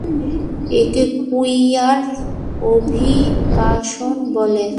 একে কুইয়ার অভিবাসন বলে।